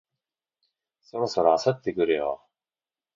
そろそろ焦ってくるよ